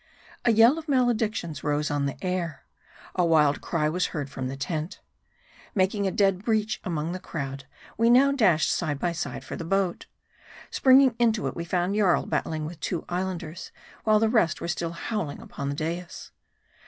A yell of maledictions rose on the air. A wild cry was heard from the tent. Making a dead breach among the crowd, we now dashed side by side for the boat. Springing into it, we found Jarl battling with two Islanders ; while the rest were still howling upon the dais.